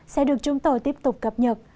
sẽ được chúng tôi tiếp tục cập nhật